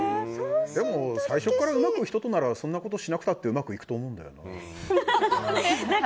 でも、最初からうまくいく人とならそんなことしなくてもうまくいくと思うんだよな。